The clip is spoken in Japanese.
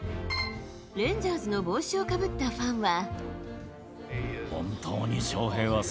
レンジャーズの帽子をかぶったファンは。